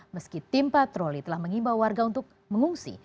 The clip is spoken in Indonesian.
meski tim patroli telah mengimbau warga untuk mengungsi